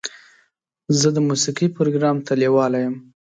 زه د موسیقۍ پروګرام ته لیواله یم.